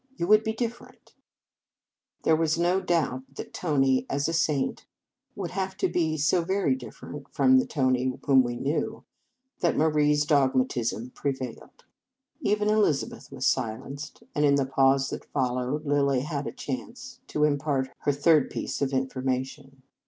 You would be differ ent." 197 In Our Convent Days There was no doubt that Tony as a saint would have to be so very differ ent from the Tony whom we knew, that Marie s dogmatism prevailed. Even Elizabeth was silenced; and, in the pause that followed, Lilly had a chance to impart her third piece of information.